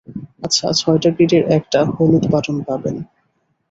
আচ্ছা, ছয়টা গ্রিডের একটা হলুদ বাটন পাবেন।